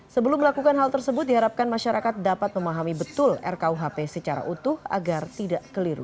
sebelum melakukan hal tersebut diharapkan masyarakat dapat memahami betul rkuhp secara utuh agar tidak keliru